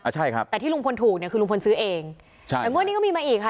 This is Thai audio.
ใช่ครับแต่ที่ลุงพลถูกเนี่ยคือลุงพลซื้อเองใช่แต่งวดนี้ก็มีมาอีกค่ะ